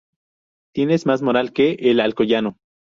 Tienes más moral que El Alcoyano